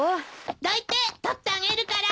どいて取ってあげるから。